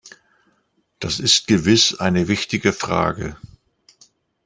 Das ist gewiss eine wichtige Frage.